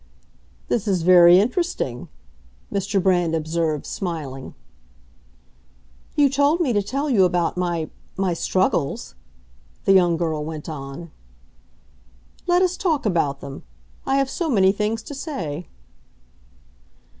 "This is very interesting," Mr. Brand observed, smiling. "You told me to tell you about my—my struggles," the young girl went on. "Let us talk about them. I have so many things to say."